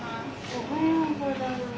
おはようございます。